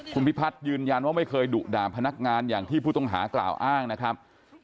คุณพิพัฒน์ยืนยันว่าไม่เคยดุด่าพนักงานอย่างที่ผู้ต้องหากล่าวอ้างนะครับ